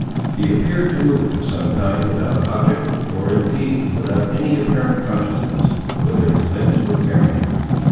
He appeared to move for some time without object, or, indeed, without any apparent consciousness, whither his limbs were carrying him.